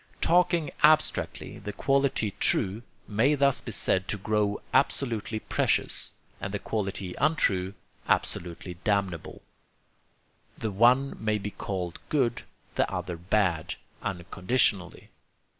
Talking abstractly, the quality 'true' may thus be said to grow absolutely precious, and the quality 'untrue' absolutely damnable: the one may be called good, the other bad, unconditionally.